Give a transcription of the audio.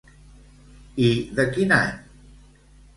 I de quin any?